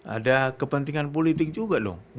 ada kepentingan politik juga dong